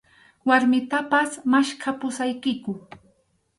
Warmitapas maskhapusaykiku.